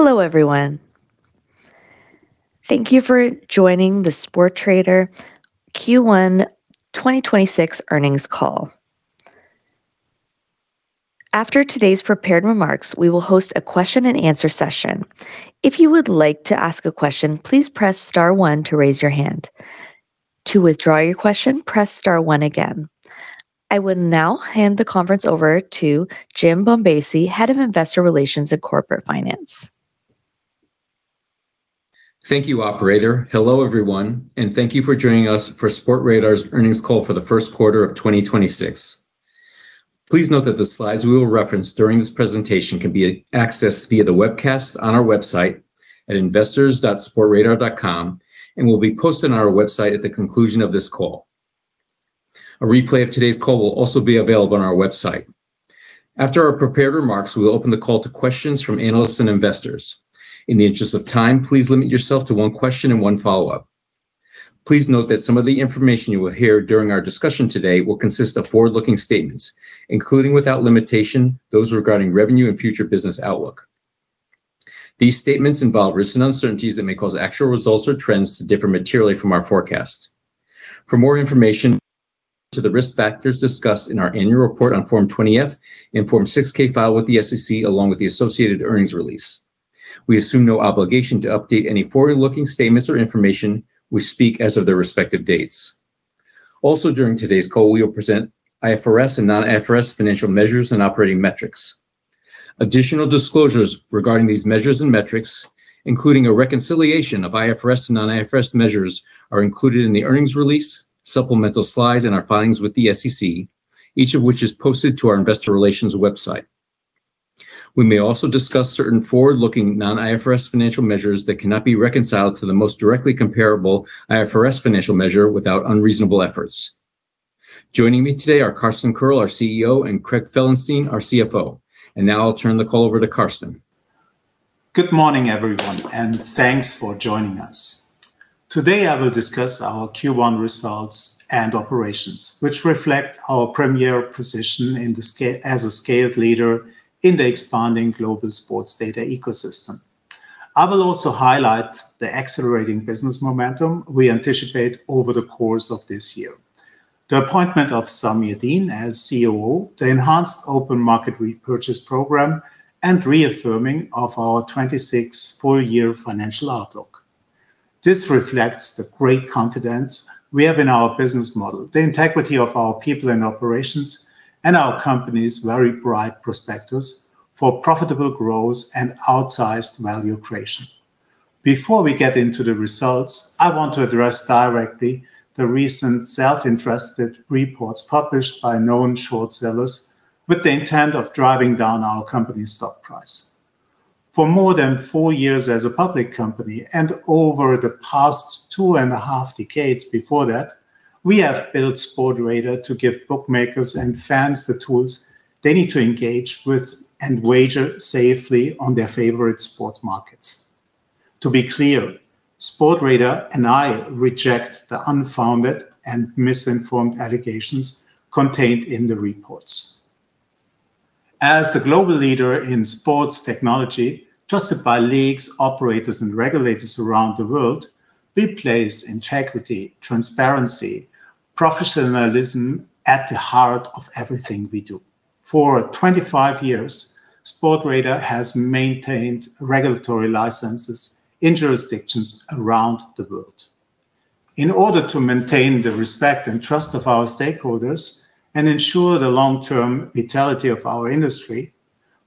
Hello, everyone. Thank you for joining the Sportradar Q1 2026 Earnings Call. After today's prepared remarks, we will host a question and answer session. If you would like to ask a question, please press star one to raise your hand. To withdraw your question, press star one again. I will now hand the conference over to Jim Bombassei, Head of Investor Relations and Corporate Finance. Thank you, operator. Hello, everyone, and thank you for joining us for Sportradar's Earnings Call for the First Quarter of 2026. Please note that the slides we will reference during this presentation can be accessed via the webcast on our website at investors.sportradar.com, and will be posted on our website at the conclusion of this call. A replay of today's call will also be available on our website. After our prepared remarks, we will open the call to questions from analysts and investors. In the interest of time, please limit yourself to one question and one follow-up. Please note that some of the information you will hear during our discussion today will consist of forward-looking statements, including without limitation, those regarding revenue and future business outlook. These statements involve risks and uncertainties that may cause actual results or trends to differ materially from our forecast. For more information to the risk factors discussed in our annual report on Form 20-F and Form 6-K filed with the SEC along with the associated earnings release. We assume no obligation to update any forward-looking statements or information we speak as of their respective dates. Also, during today's call, we will present IFRS and non-IFRS financial measures and operating metrics. Additional disclosures regarding these measures and metrics, including a reconciliation of IFRS and non-IFRS measures, are included in the earnings release, supplemental slides and our filings with the SEC, each of which is posted to our investor relations website. We may also discuss certain forward-looking non-IFRS financial measures that cannot be reconciled to the most directly comparable IFRS financial measure without unreasonable efforts. Joining me today are Carsten Koerl, our CEO, and Craig Felenstein, our CFO. Now I'll turn the call over to Carsten. Good morning, everyone, and thanks for joining us. Today, I will discuss our Q1 results and operations, which reflect our premier position as a scale leader in the expanding global sports data ecosystem. I will also highlight the accelerating business momentum we anticipate over the course of this year. The appointment of Sameer Deen as COO, the enhanced open market repurchase program, and reaffirming of our 2026 full-year financial outlook. This reflects the great confidence we have in our business model, the integrity of our people and operations, and our company's very bright prospectus for profitable growth and outsized value creation. Before we get into the results, I want to address directly the recent self-interested reports published by known short sellers with the intent of driving down our company's stock price. For more than four years as a public company and over the past two and a half decades before that, we have built Sportradar to give bookmakers and fans the tools they need to engage with and wager safely on their favorite sports markets. To be clear, Sportradar and I reject the unfounded and misinformed allegations contained in the reports. As the global leader in sports technology, trusted by leagues, operators and regulators around the world, we place integrity, transparency, professionalism at the heart of everything we do. For 25 years, Sportradar has maintained regulatory licenses in jurisdictions around the world. In order to maintain the respect and trust of our stakeholders and ensure the long-term vitality of our industry,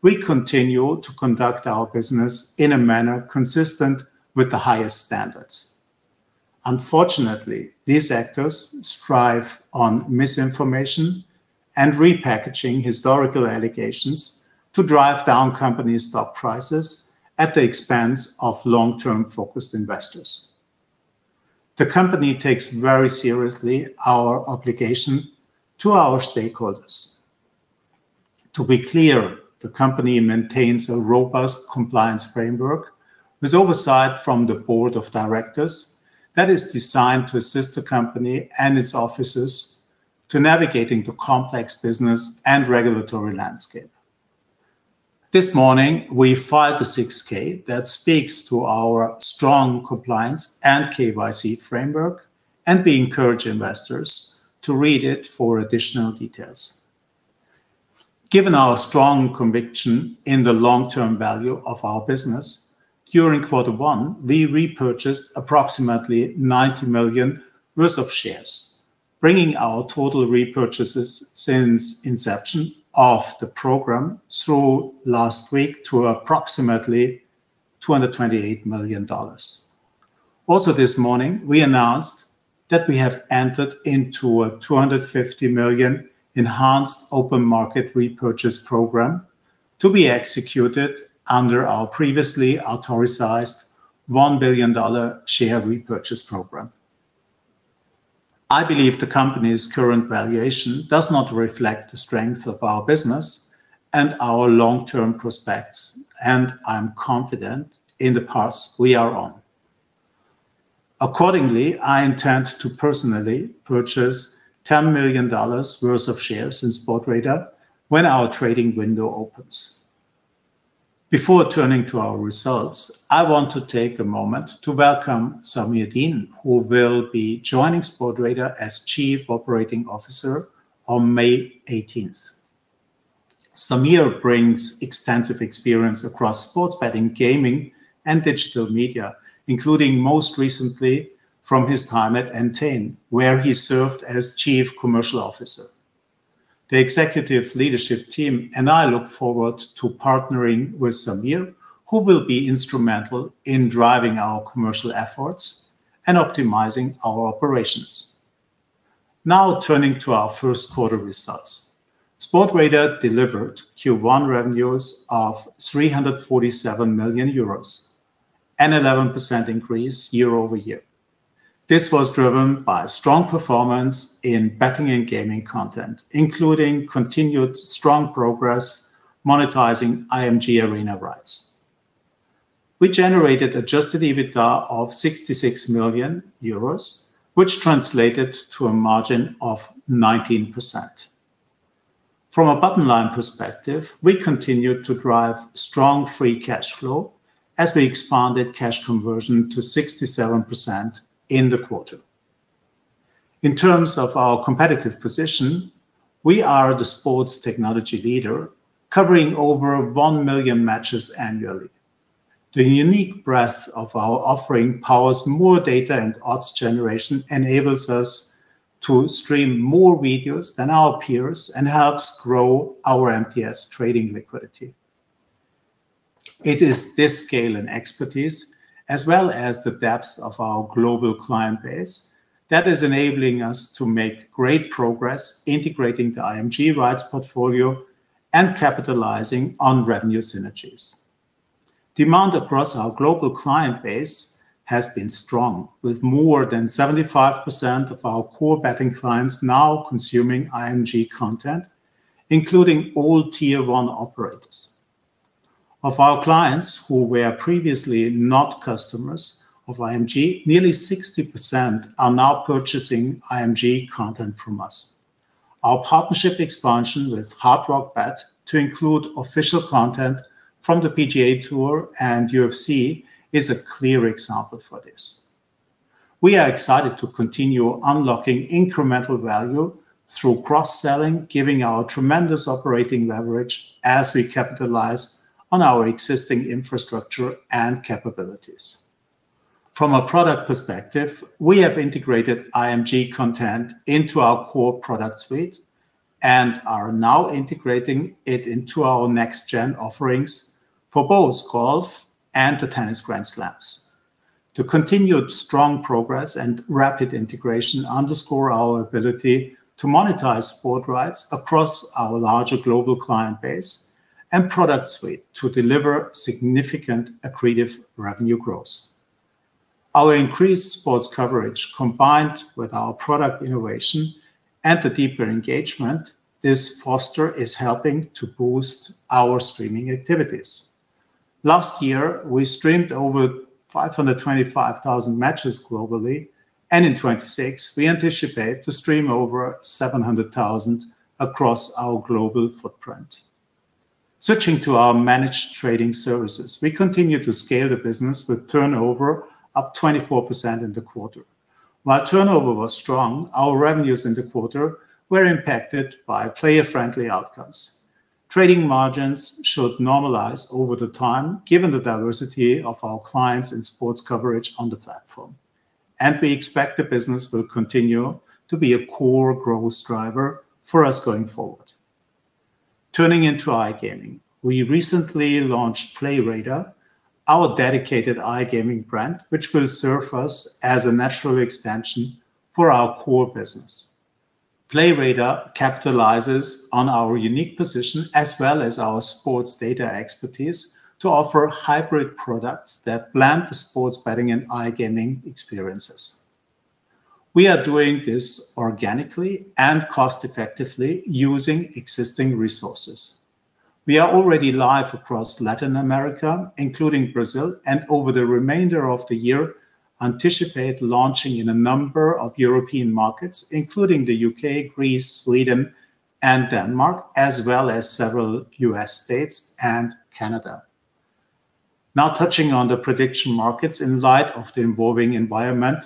we continue to conduct our business in a manner consistent with the highest standards. Unfortunately, these actors strive on misinformation and repackaging historical allegations to drive down company stock prices at the expense of long-term focused investors. The company takes very seriously our obligation to our stakeholders. To be clear, the company maintains a robust compliance framework with oversight from the board of directors that is designed to assist the company and its officers to navigating the complex business and regulatory landscape. This morning, we filed a 6-K that speaks to our strong compliance and KYC framework. We encourage investors to read it for additional details. Given our strong conviction in the long-term value of our business, during quarter one, we repurchased approximately $90 million shares, bringing our total repurchases since inception of the program through last week to approximately $228 million. Also this morning, we announced that we have entered into a 250 million enhanced open market repurchase program to be executed under our previously authorized $1 billion share repurchase program. I believe the company's current valuation does not reflect the strength of our business and our long-term prospects, and I am confident in the path we are on. Accordingly, I intend to personally purchase $10 million worth of shares in Sportradar when our trading window opens. Before turning to our results, I want to take a moment to welcome Sameer Deen, who will be joining Sportradar as Chief Operating Officer on May 18th. Sameer brings extensive experience across sports betting, gaming, and digital media, including most recently from his time at Entain, where he served as Chief Commercial Officer. The executive leadership team and I look forward to partnering with Sameer, who will be instrumental in driving our commercial efforts and optimizing our operations. Turning to our first quarter results. Sportradar delivered Q1 revenues of 347 million euros, an 11% increase year-over-year. This was driven by strong performance in betting and gaming content, including continued strong progress monetizing IMG ARENA rights. We generated adjusted EBITDA of 66 million euros, which translated to a margin of 19%. From a bottom line perspective, we continued to drive strong free cash flow as we expanded cash conversion to 67% in the quarter. In terms of our competitive position, we are the sports technology leader covering over 1 million matches annually. The unique breadth of our offering powers more data and odds generation, enables us to stream more videos than our peers, and helps grow our MTS trading liquidity. It is this scale and expertise, as well as the depth of our global client base, that is enabling us to make great progress integrating the IMG rights portfolio and capitalizing on revenue synergies. Demand across our global client base has been strong with more than 75% of our core betting clients now consuming IMG content, including all tier one operators. Of our clients who were previously not customers of IMG, nearly 60% are now purchasing IMG content from us. Our partnership expansion with Hard Rock Bet to include official content from the PGA Tour and UFC is a clear example for this. We are excited to continue unlocking incremental value through cross-selling, giving our tremendous operating leverage as we capitalize on our existing infrastructure and capabilities. From a product perspective, we have integrated IMG content into our core product suite and are now integrating it into our next gen offerings for both golf and the tennis Grand Slams. The continued strong progress and rapid integration underscore our ability to monetize sport rights across our larger global client base and product suite to deliver significant accretive revenue growth. Our increased sports coverage, combined with our product innovation and the deeper engagement this foster is helping to boost our streaming activities. Last year, we streamed over 525,000 matches globally, and in 2026 we anticipate to stream over 700,000 across our global footprint. Switching to our Managed Trading Services. We continue to scale the business with turnover up 24% in the quarter. While turnover was strong, our revenues in the quarter were impacted by player-friendly outcomes. Trading margins should normalize over the time given the diversity of our clients and sports coverage on the platform, and we expect the business will continue to be a core growth driver for us going forward. Turning into iGaming. We recently launched PlayRadar, our dedicated iGaming brand, which will serve us as a natural extension for our core business. PlayRadar capitalizes on our unique position as well as our sports data expertise to offer hybrid products that blend the sports betting and iGaming experiences. We are doing this organically and cost-effectively using existing resources. We are already live across Latin America, including Brazil, and over the remainder of the year, anticipate launching in a number of European markets, including the U.K., Greece, Sweden, and Denmark, as well as several U.S. states and Canada. Touching on the prediction markets in light of the evolving environment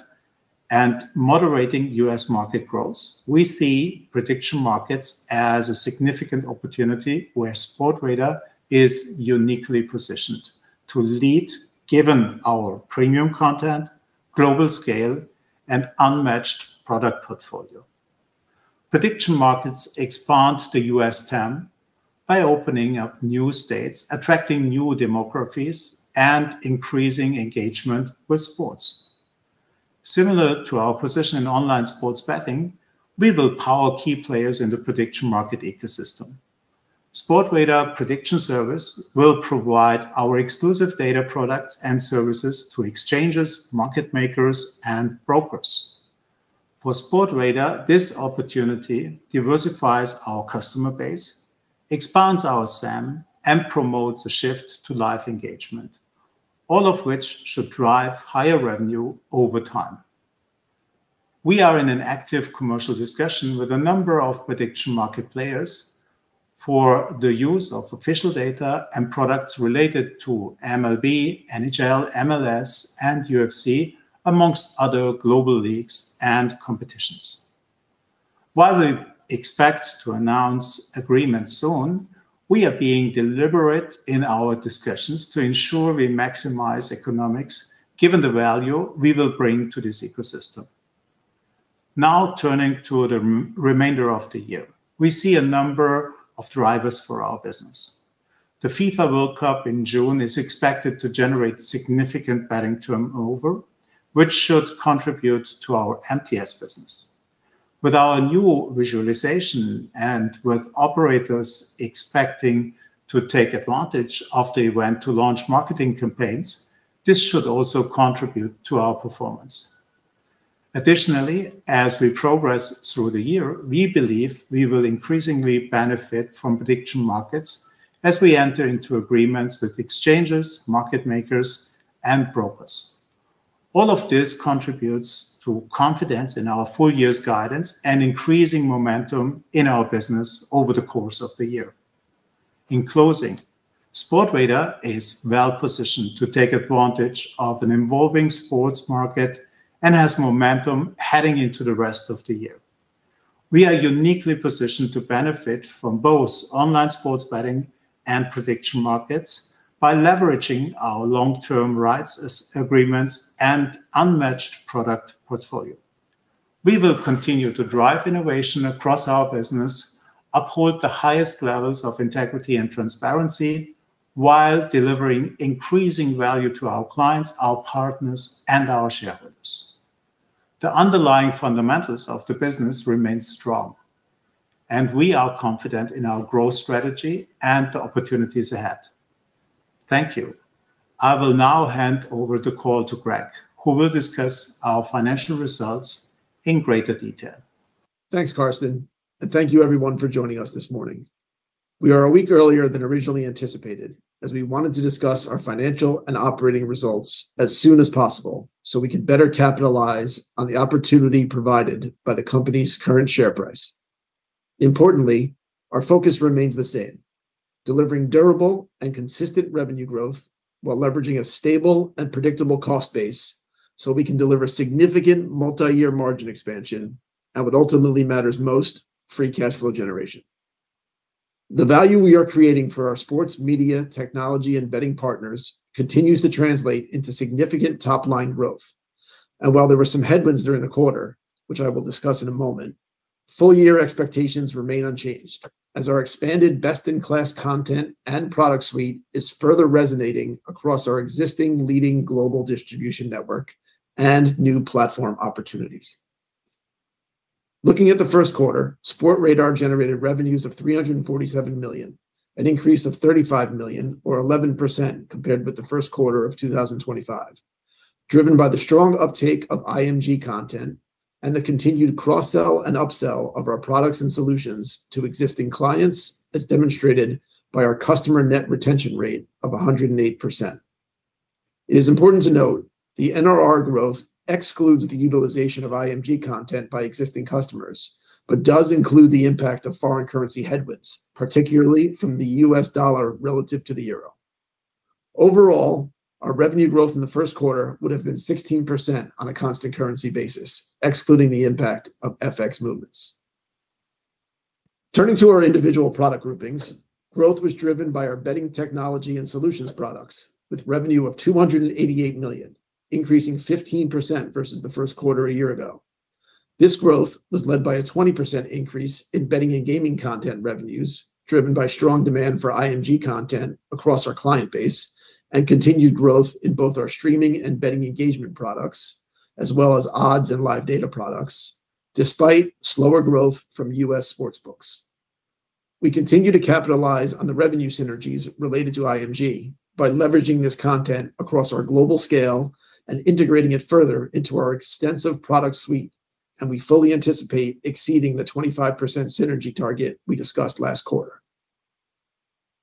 and moderating U.S. market growth. We see prediction markets as a significant opportunity, where Sportradar is uniquely positioned to lead given our premium content, global scale, and unmatched product portfolio. Prediction markets expand the U.S. TAM by opening up new states, attracting new demographies, and increasing engagement with sports. Similar to our position in online sports betting, we will power key players in the prediction market ecosystem. Sportradar Prediction Services will provide our exclusive data products and services to exchanges, market makers, and brokers. For Sportradar, this opportunity diversifies our customer base, expands our SAM, and promotes a shift to live engagement, all of which should drive higher revenue over time. We are in an active commercial discussion with a number of prediction market players for the use of official data and products related to MLB, NHL, MLS, and UFC, amongst other global leagues and competitions. While we expect to announce agreements soon, we are being deliberate in our discussions to ensure we maximize economics given the value we will bring to this ecosystem. Turning to the remainder of the year. We see a number of drivers for our business. The FIFA World Cup in June is expected to generate significant betting turnover, which should contribute to our MTS business. With our new visualization and with operators expecting to take advantage of the event to launch marketing campaigns, this should also contribute to our performance. Additionally, as we progress through the year, we believe we will increasingly benefit from prediction markets as we enter into agreements with exchanges, market makers, and brokers. All of this contributes to confidence in our full-year's guidance and increasing momentum in our business over the course of the year. In closing, Sportradar is well-positioned to take advantage of an evolving sports market and has momentum heading into the rest of the year. We are uniquely positioned to benefit from both online sports betting and prediction markets by leveraging our long-term rights as agreements and unmatched product portfolio. We will continue to drive innovation across our business, uphold the highest levels of integrity and transparency while delivering increasing value to our clients, our partners, and our shareholders. The underlying fundamentals of the business remain strong, and we are confident in our growth strategy and the opportunities ahead. Thank you. I will now hand over the call to Craig, who will discuss our financial results in greater detail. Thanks, Carsten, and thank you everyone for joining us this morning. We are a week earlier than originally anticipated, as we wanted to discuss our financial and operating results as soon as possible, so we can better capitalize on the opportunity provided by the company's current share price. Importantly, our focus remains the same: delivering durable and consistent revenue growth while leveraging a stable and predictable cost base so we can deliver significant multi-year margin expansion and what ultimately matters most, free cash flow generation. The value we are creating for our sports media technology and betting partners continues to translate into significant top-line growth. While there were some headwinds during the quarter, which I will discuss in a moment, full-year expectations remain unchanged as our expanded best-in-class content and product suite is further resonating across our existing leading global distribution network and new platform opportunities. Looking at the first quarter, Sportradar generated revenues of 347 million, an increase of 35 million or 11% compared with the first quarter of 2025. Driven by the strong uptake of IMG content and the continued cross-sell and upsell of our products and solutions to existing clients, as demonstrated by our customer net retention rate of 108%. It is important to note the NRR growth excludes the utilization of IMG content by existing customers, but does include the impact of foreign currency headwinds, particularly from the U.S. dollar relative to the euro. Overall, our revenue growth in the first quarter would have been 16% on a constant currency basis, excluding the impact of FX movements. Turning to our individual product groupings, growth was driven by our betting technology and solutions products, with revenue of 288 million, increasing 15% versus the first quarter a year ago. This growth was led by a 20% increase in betting and gaming content revenues, driven by strong demand for IMG content across our client base and continued growth in both our streaming and betting engagement products, as well as odds and live data products, despite slower growth from U.S. sportsbooks. We continue to capitalize on the revenue synergies related to IMG by leveraging this content across our global scale and integrating it further into our extensive product suite. We fully anticipate exceeding the 25% synergy target we discussed last quarter.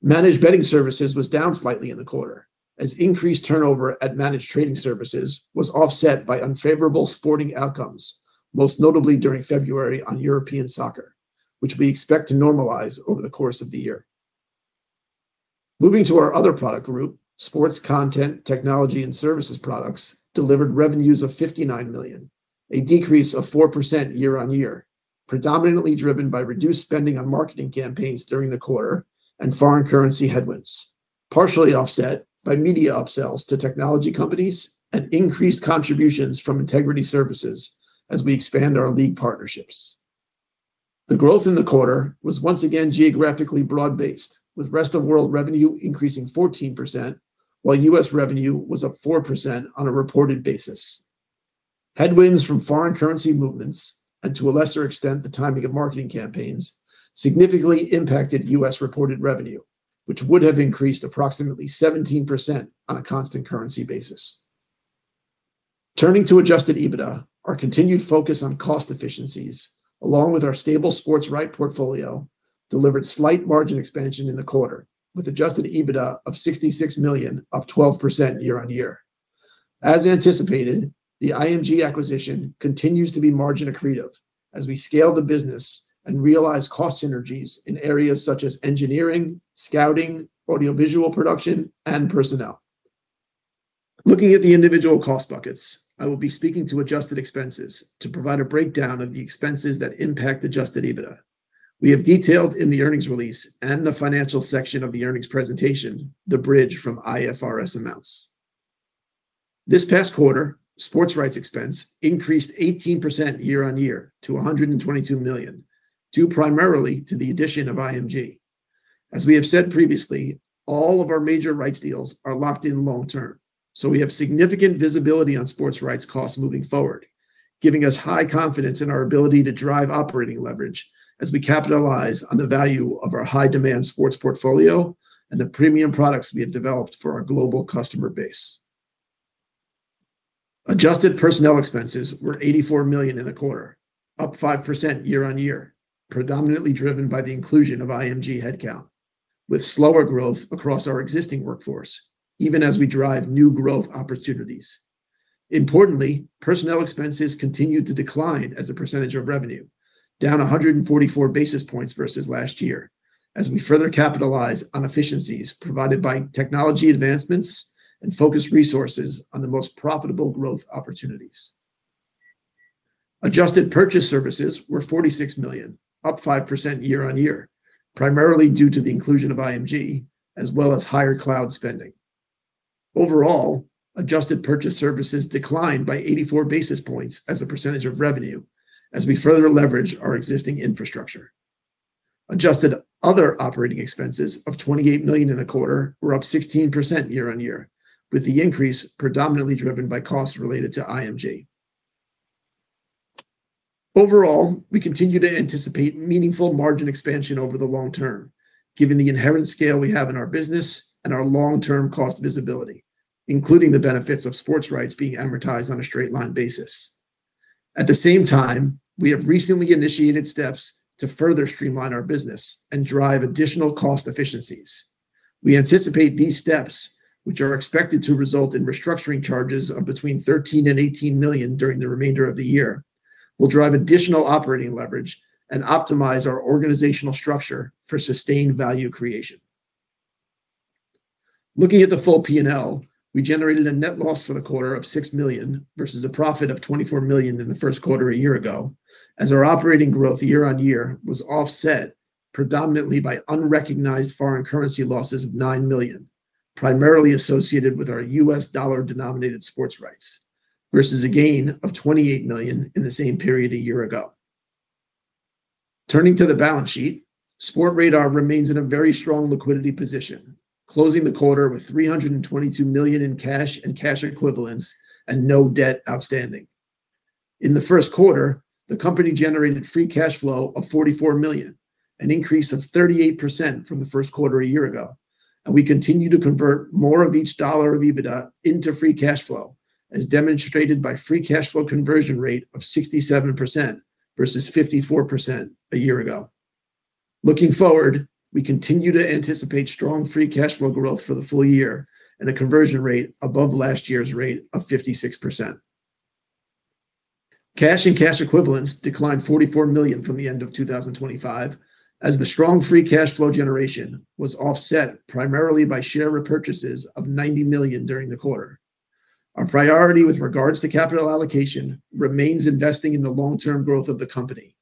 Managed Trading Services was down slightly in the quarter as increased turnover at Managed Trading Services was offset by unfavorable sporting outcomes, most notably during February on European soccer, which we expect to normalize over the course of the year. Moving to our other product group, sports content, technology and services products delivered revenues of 59 million, a decrease of 4% year-on-year, predominantly driven by reduced spending on marketing campaigns during the quarter and foreign currency headwinds, partially offset by media upsells to technology companies and increased contributions from Integrity Services as we expand our league partnerships. The growth in the quarter was once again geographically broad-based, with rest of world revenue increasing 14%, while U.S. revenue was up 4% on a reported basis. Headwinds from foreign currency movements, and to a lesser extent, the timing of marketing campaigns, significantly impacted U.S. reported revenue, which would have increased approximately 17% on a constant currency basis. Turning to adjusted EBITDA, our continued focus on cost efficiencies, along with our stable sports right portfolio, delivered slight margin expansion in the quarter, with adjusted EBITDA of 66 million, up 12% year-on-year. As anticipated, the IMG acquisition continues to be margin accretive as we scale the business and realize cost synergies in areas such as engineering, scouting, audiovisual production, and personnel. Looking at the individual cost buckets, I will be speaking to adjusted expenses to provide a breakdown of the expenses that impact adjusted EBITDA. We have detailed in the earnings release and the financial section of the earnings presentation the bridge from IFRS amounts. This past quarter, sports rights expense increased 18% year-over-year to 122 million, due primarily to the addition of IMG. As we have said previously, all of our major rights deals are locked in long-term, so we have significant visibility on sports rights costs moving forward, giving us high confidence in our ability to drive operating leverage as we capitalize on the value of our high-demand sports portfolio and the premium products we have developed for our global customer base. Adjusted personnel expenses were 84 million in the quarter, up 5% year-over-year, predominantly driven by the inclusion of IMG headcount, with slower growth across our existing workforce, even as we drive new growth opportunities. Importantly, personnel expenses continued to decline as a percentage of revenue, down 144 basis points versus last year, as we further capitalize on efficiencies provided by technology advancements and focus resources on the most profitable growth opportunities. Adjusted Purchase Services were 46 million, up 5% year-on-year, primarily due to the inclusion of IMG as well as higher cloud spending. Overall, Adjusted Purchase Services declined by 84 basis points as a percentage of revenue as we further leverage our existing infrastructure. Adjusted Other Operating Expenses of 28 million in the quarter were up 16% year-on-year, with the increase predominantly driven by costs related to IMG. Overall, we continue to anticipate meaningful margin expansion over the long-term, given the inherent scale we have in our business and our long-term cost visibility, including the benefits of sports rights being amortized on a straight line basis. At the same time, we have recently initiated steps to further streamline our business and drive additional cost efficiencies. We anticipate these steps, which are expected to result in restructuring charges of between 13 million-18 million during the remainder of the year, will drive additional operating leverage and optimize our organizational structure for sustained value creation. Looking at the full P&L, we generated a net loss for the quarter of 6 million, versus a profit of 24 million in the first quarter a year ago, as our operating growth year-on-year was offset predominantly by unrecognized foreign currency losses of 9 million, primarily associated with our U.S. Dollar denominated sports rights, versus a gain of 28 million in the same period a year ago. Turning to the balance sheet, Sportradar remains in a very strong liquidity position, closing the quarter with 322 million in cash and cash equivalents and no debt outstanding. In the first quarter, the company generated free cash flow of 44 million, an increase of 38% from the first quarter a year ago. We continue to convert more of each dollar of EBITDA into free cash flow, as demonstrated by free cash flow conversion rate of 67% versus 54% a year ago. Looking forward, we continue to anticipate strong free cash flow growth for the full-year and a conversion rate above last year's rate of 56%. Cash and cash equivalents declined 44 million from the end of 2025, as the strong free cash flow generation was offset primarily by share repurchases of 90 million during the quarter. Our priority with regards to capital allocation remains investing in the long-term growth of the company.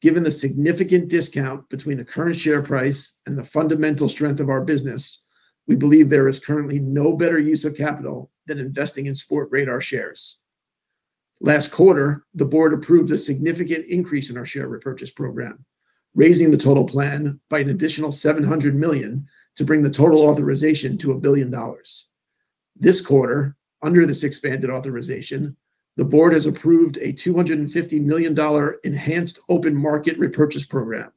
Given the significant discount between the current share price and the fundamental strength of our business, we believe there is currently no better use of capital than investing in Sportradar shares. Last quarter, the board approved a significant increase in our share repurchase program, raising the total plan by an additional 700 million to bring the total authorization to EUR 1 billion. This quarter, under this expanded authorization, the board has approved a EUR 250 million enhanced open market repurchase program,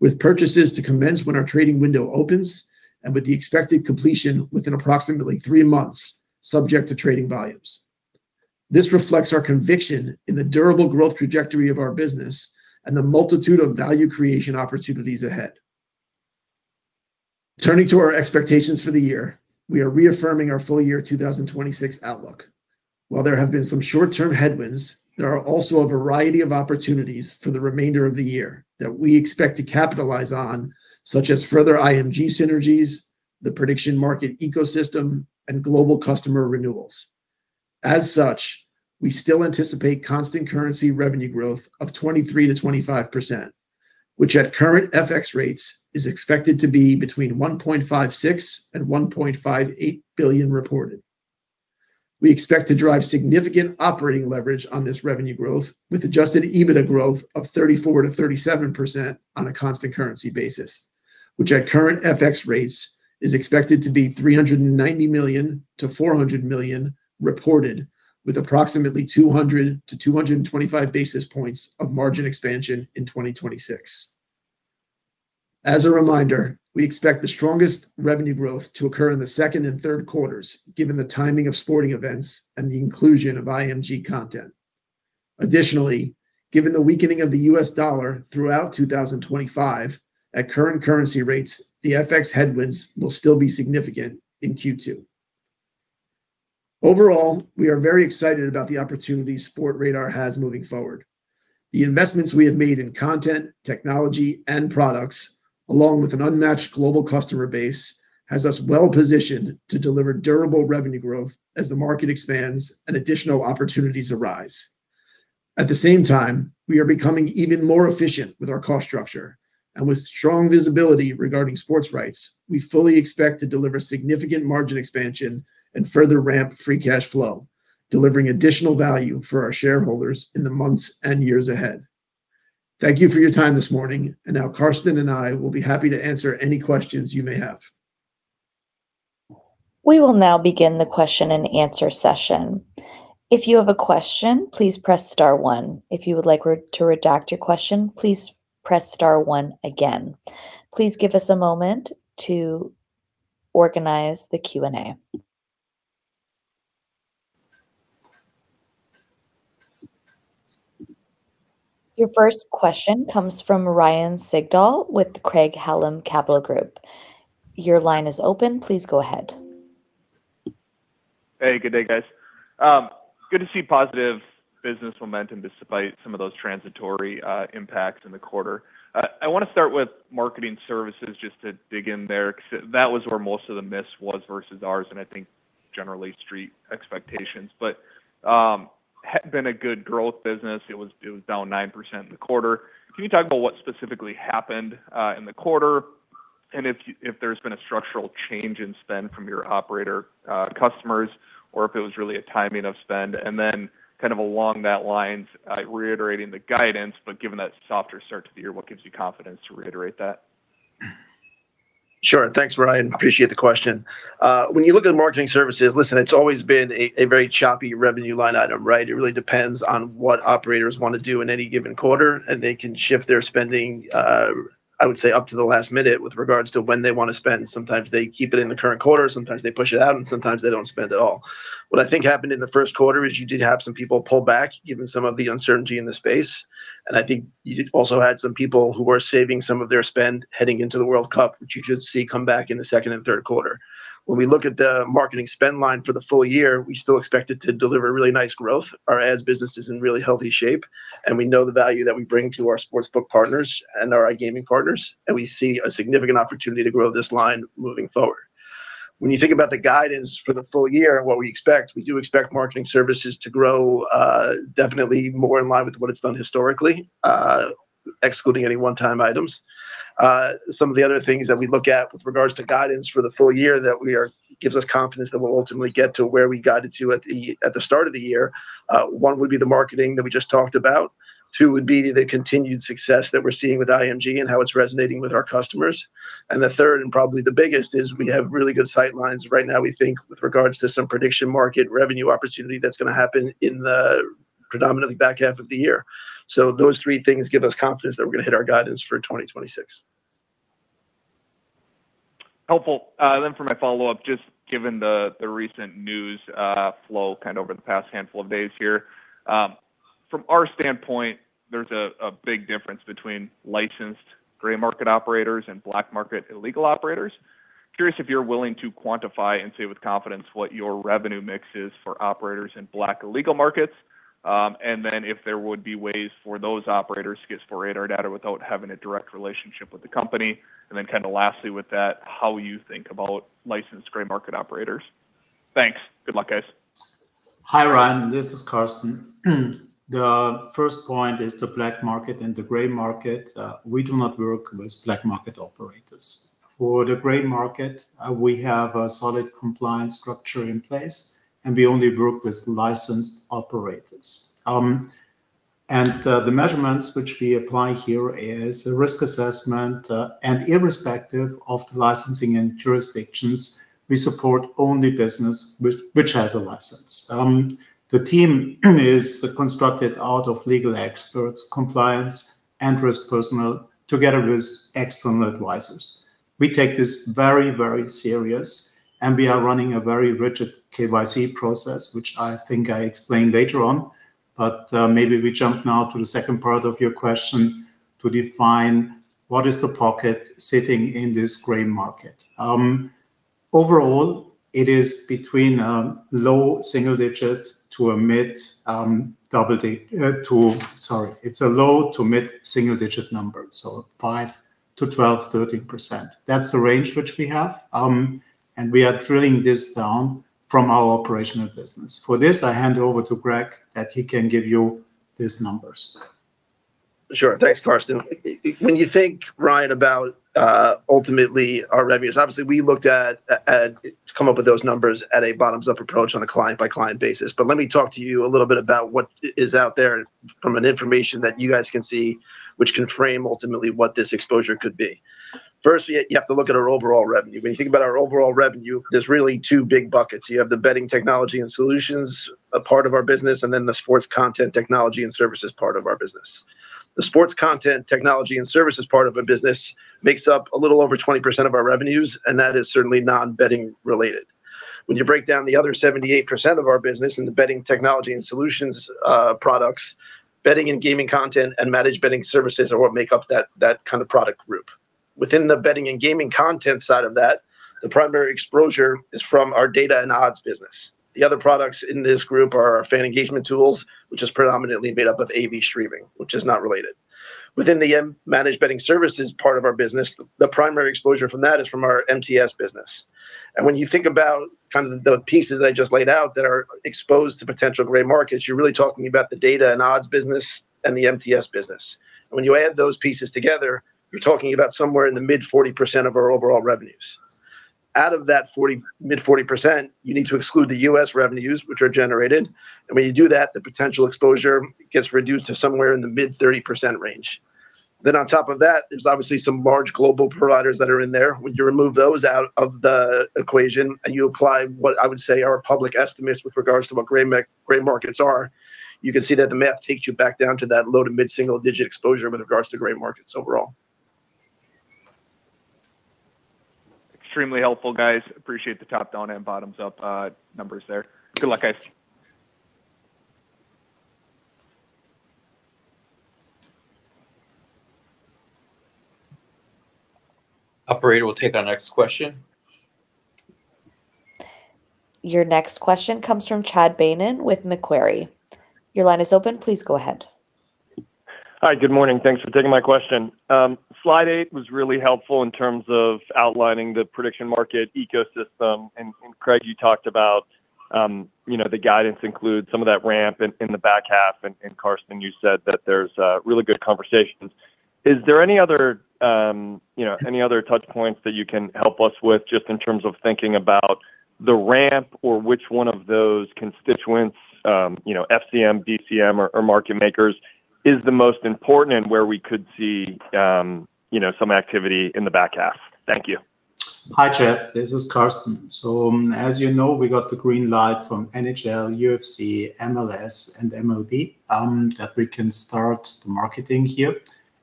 with purchases to commence when our trading window opens and with the expected completion within approximately three months, subject to trading volumes. This reflects our conviction in the durable growth trajectory of our business and the multitude of value creation opportunities ahead. Turning to our expectations for the year, we are reaffirming our full-year 2026 outlook. While there have been some short-term headwinds, there are also a variety of opportunities for the remainder of the year that we expect to capitalize on, such as further IMG synergies, the prediction market ecosystem, and global customer renewals. As such, we still anticipate constant currency revenue growth of 23%-25%, which at current FX rates is expected to be between 1.56 billion-1.58 billion reported. We expect to drive significant operating leverage on this revenue growth with adjusted EBITDA growth of 34%-37% on a constant currency basis, which at current FX rates is expected to be 390 million to 400 million reported, with approximately 200 basis points-225 basis points of margin expansion in 2026. As a reminder, we expect the strongest revenue growth to occur in the second and third quarters, given the timing of sporting events and the inclusion of IMG content. Additionally, given the weakening of the U.S. dollar throughout 2025, at current currency rates, the FX headwinds will still be significant in Q2. Overall, we are very excited about the opportunity Sportradar has moving forward. The investments we have made in content, technology and products, along with an unmatched global customer base, has us well-positioned to deliver durable revenue growth as the market expands and additional opportunities arise. At the same time, we are becoming even more efficient with our cost structure. With strong visibility regarding sports rights, we fully expect to deliver significant margin expansion and further ramp free cash flow, delivering additional value for our shareholders in the months and years ahead. Thank you for your time this morning, and now Carsten and I will be happy to answer any questions you may have. We will now begin the question-and-answer session. If you have a question, please press star one. If you would like to redact your question, please press star one again. Please give us a moment to organize the Q&A. Your first question comes from Ryan Sigdahl with Craig-Hallum Capital Group. Your line is open. Please go ahead. Hey, good day, guys. Good to see positive business momentum despite some of those transitory impacts in the quarter. I wanna start with marketing services just to dig in there, 'cause that was where most of the miss was versus ours, and I think generally street expectations. Been a good growth business. It was down 9% in the quarter. Can you talk about what specifically happened in the quarter, and if there's been a structural change in spend from your operator customers, or if it was really a timing of spend? Kind of along that lines, reiterating the guidance, given that softer start to the year, what gives you confidence to reiterate that? Sure. Thanks, Ryan. Appreciate the question. When you look at marketing services, listen, it's always been a very choppy revenue line item, right? It really depends on what operators wanna do in any given quarter, and they can shift their spending, I would say up to the last minute with regards to when they wanna spend. Sometimes they keep it in the current quarter, sometimes they push it out, and sometimes they don't spend at all. What I think happened in the first quarter is you did have some people pull back, given some of the uncertainty in the space. I think you did also had some people who were saving some of their spend heading into the World Cup, which you should see come back in the second and third quarter. When we look at the marketing spend line for the full-year, we still expect it to deliver really nice growth. Our ads business is in really healthy shape, and we know the value that we bring to our sportsbook partners and our iGaming partners, and we see a significant opportunity to grow this line moving forward. When you think about the guidance for the full-year and what we expect, we do expect marketing services to grow, definitely more in line with what it's done historically, excluding any one-time items. Some of the other things that we look at with regards to guidance for the full-year that gives us confidence that we'll ultimately get to where we guided to at the start of the year, one would be the marketing that we just talked about. Two would be the continued success that we're seeing with IMG and how it's resonating with our customers. The third, and probably the biggest, is we have really good sight lines right now we think with regards to some prediction market revenue opportunity that's gonna happen in the predominantly back half of the year. Those three things give us confidence that we're gonna hit our guidance for 2026. Helpful. For my follow-up, just given the recent news flow kind of over the past handful of days here. From our standpoint, there's a big difference between licensed gray market operators and black market illegal operators. Curious if you're willing to quantify and say with confidence what your revenue mix is for operators in black illegal markets. If there would be ways for those operators to get Sportradar data without having a direct relationship with the company. Lastly with that, how you think about licensed gray market operators. Thanks. Good luck, guys. Hi, Ryan, this is Carsten. The first point is the black market and the gray market. We do not work with black market operators. For the gray market, we have a solid compliance structure in place, and we only work with licensed operators. The measurements which we apply here is a risk assessment, and irrespective of the licensing and jurisdictions, we support only business which has a license. The team is constructed out of legal experts, compliance and risk personnel together with external advisors. We take this very, very serious, and we are running a very rigid KYC process, which I think I explain later on. Maybe we jump now to the second part of your question to define what is the pocket sitting in this gray market. Overall, Sorry. It is a low-to mid-single-digit number, so 5%-13%. That's the range which we have. We are drilling this down from our operational business. For this, I hand over to Craig that he can give you these numbers. Sure. Thanks, Carsten. When you think, Ryan, about ultimately our revenues, obviously, we looked to come up with those numbers at a bottoms-up approach on a client-by-client basis. Let me talk to you a little bit about what is out there from an information that you guys can see, which can frame ultimately what this exposure could be. First, you have to look at our overall revenue. When you think about our overall revenue, there's really two big buckets. You have the betting technology and solutions part of our business, and then the sports content technology and services part of our business. The sports content technology and services part of our business makes up a little over 20% of our revenues, and that is certainly non-betting related. When you break down the other 78% of our business in the Betting Technology and Solutions products, Betting and Gaming Content and Managed Trading Services are what make up that kind of product group. Within the Betting and Gaming Content side of that, the primary exposure is from our data and odds business. The other products in this group are our fan engagement tools, which is predominantly made up of AV streaming, which is not related. Within the Managed Trading Services part of our business, the primary exposure from that is from our MTS business. When you think about kind of the pieces that I just laid out that are exposed to potential gray markets, you're really talking about the data and odds business and the MTS business. When you add those pieces together, you're talking about somewhere in the mid 40% of our overall revenues. Out of that 40%, mid 40%, you need to exclude the U.S. revenues which are generated. When you do that, the potential exposure gets reduced to somewhere in the mid 30% range. On top of that, there's obviously some large global providers that are in there. When you remove those out of the equation, and you apply what I would say are public estimates with regards to what gray markets are, you can see that the math takes you back down to that low to mid-single-digit exposure with regards to gray markets overall. Extremely helpful, guys. Appreciate the top down and bottoms up numbers there. Good luck, guys. Operator, we'll take our next question. Your next question comes from Chad Beynon with Macquarie. Your line is open. Please go ahead. Hi, good morning. Thanks for taking my question. Slide eight was really helpful in terms of outlining the prediction market ecosystem. Craig, you talked about, you know, the guidance includes some of that ramp in the back half. Carsten, you said that there's really good conversations. Is there any other, you know, any other touch points that you can help us with just in terms of thinking about the ramp or which one of those constituents, you know, FCM, DCM or market makers is the most important and where we could see, you know, some activity in the back half? Thank you. Hi, Chad. This is Carsten. As you know, we got the green light from NHL, UFC, MLS and MLB that we can start the marketing here,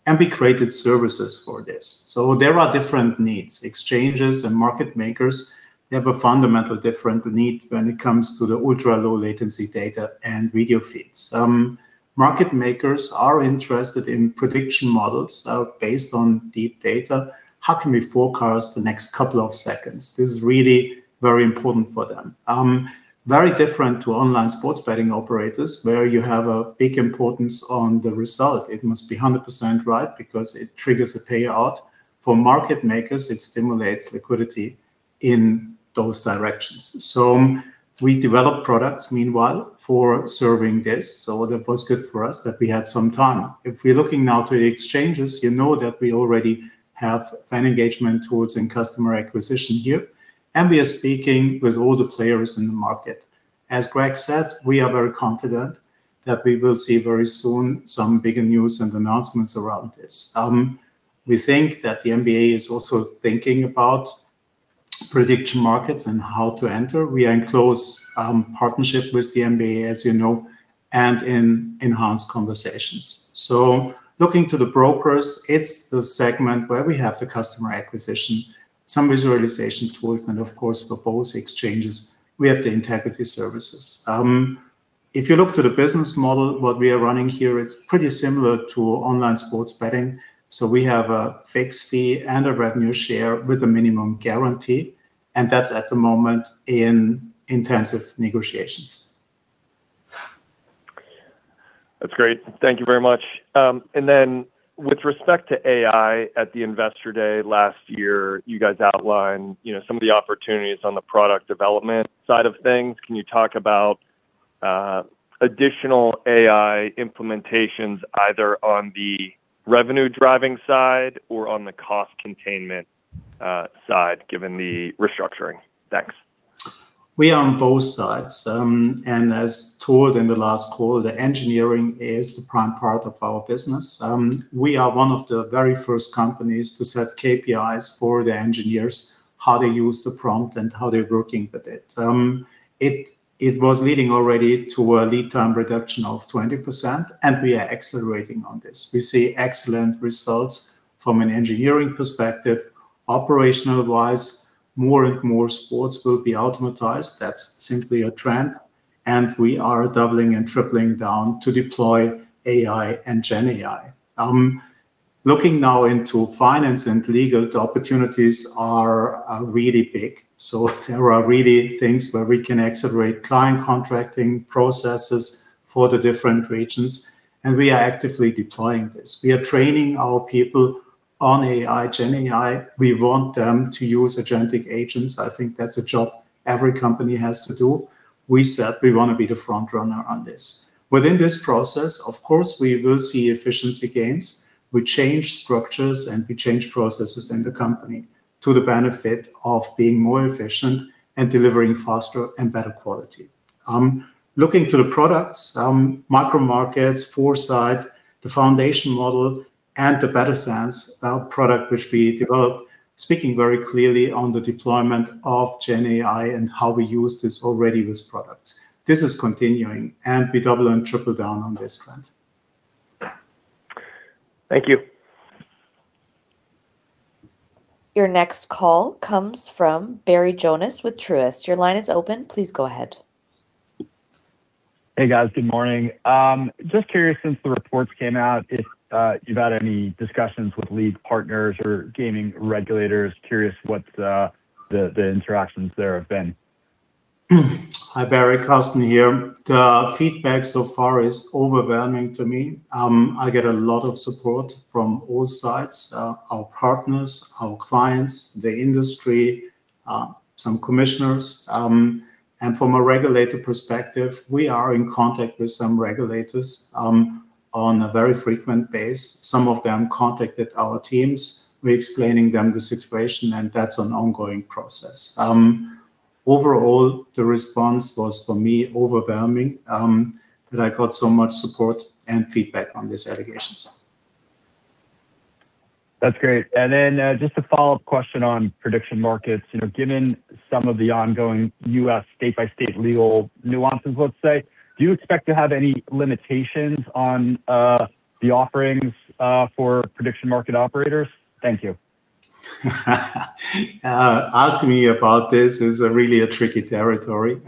and we created services for this. There are different needs. Exchanges and market makers, they have a fundamental different need when it comes to the ultra-low-latency data and video feeds. Market makers are interested in prediction models based on deep data. How can we forecast the next couple of seconds? This is really very important for them. Very different to online sports betting operators, where you have a big importance on the result. It must be 100% right because it triggers a payout. For market makers, it stimulates liquidity in those directions. We develop products meanwhile for serving this, so that was good for us that we had some time. If we're looking now to the exchanges, you know that we already have fan engagement tools and customer acquisition here, and we are speaking with all the players in the market. As Craig said, we are very confident that we will see very soon some bigger news and announcements around this. We think that the NBA is also thinking about prediction markets and how to enter. We are in close partnership with the NBA, as you know, and in enhanced conversations. Looking to the brokers, it's the segment where we have the customer acquisition, some visualization tools, and of course for both exchanges, we have the Integrity Services. If you look to the business model what we are running here, it's pretty similar to online sports betting. We have a fixed fee and a revenue share with a minimum guarantee, and that's at the moment in intensive negotiations. That's great. Thank you very much. Then with respect to AI at the Investor Day last year, you guys outlined, you know, some of the opportunities on the product development side of things. Can you talk about additional AI implementations either on the revenue-driving side or on the cost containment side, given the restructuring? Thanks. We are on both sides. As told in the last call, the engineering is the prime part of our business. We are one of the very first companies to set KPIs for the engineers, how they use the prompt, and how they're working with it. It was leading already to a lead time reduction of 20%. We are accelerating on this. We see excellent results from an engineering perspective. Operational-wise, more and more sports will be automatized. That's simply a trend, we are doubling and tripling down to deploy AI and GenAI. Looking now into finance and legal, the opportunities are really big. There are really things where we can accelerate client contracting processes for the different regions, we are actively deploying this. We are training our people on AI, GenAI. We want them to use agentic agents. I think that's a job every company has to do. We said we wanna be the front runner on this. Within this process, of course, we will see efficiency gains. We change structures, and we change processes in the company to the benefit of being more efficient and delivering faster and better quality. Looking to the products, micro markets, 4Sight, the Foundation Model and the Bettor Sense, our product which we developed, speaking very clearly on the deployment of GenAI and how we use this already with products. This is continuing, and we double and triple down on this trend. Thank you. Your next call comes from Barry Jonas with Truist. Your line is open. Please go ahead. Hey, guys. Good morning. Just curious, since the reports came out, if you've had any discussions with league partners or gaming regulators. Curious what the interactions there have been. Hi, Barry. Carsten here. The feedback so far is overwhelming to me. I get a lot of support from all sides, our partners, our clients, the industry, some commissioners. From a regulator perspective, we are in contact with some regulators on a very frequent basis. Some of them contacted our teams. We're explaining them the situation, and that's an ongoing process. Overall, the response was, for me, overwhelming that I got so much support and feedback on these allegations. That's great. Then, just a follow-up question on prediction markets. You know, given some of the ongoing U.S. state-by-state legal nuances, let's say, do you expect to have any limitations on the offerings for prediction market operators? Thank you. Asking me about this is really a tricky territory.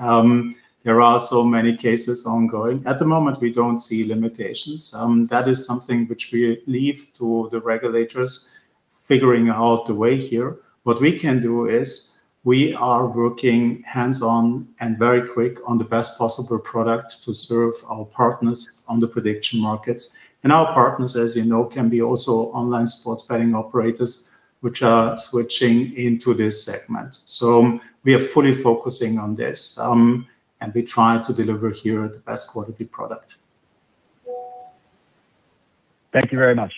There are so many cases ongoing. At the moment, we don't see limitations. That is something which we leave to the regulators figuring out the way here. What we can do is we are working hands-on and very quick on the best possible product to serve our partners on the prediction markets. Our partners, as you know, can be also online sports betting operators which are switching into this segment. We are fully focusing on this, and we try to deliver here the best quality product. Thank you very much.